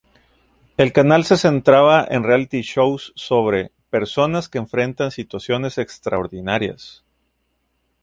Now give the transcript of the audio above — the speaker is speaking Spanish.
El canal se centraba en reality shows sobre "personas que enfrentan situaciones extraordinarias".